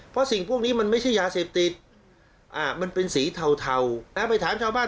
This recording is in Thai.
เพราะสิ่งพวกนี้มันไม่ใช่ยาเสพติดมันเป็นสีเทาไปถามชาวบ้าน